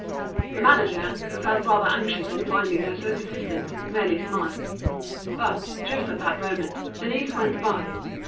The manager, who felt rather anxious on finding her so persistent, merely smiled. But, just at that moment, Denise went by.